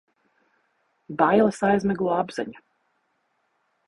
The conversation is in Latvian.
Bailes aizmiglo apziņu.